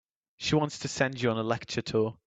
She wants to send you on a lecture tour.